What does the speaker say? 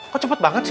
kok cepet banget sih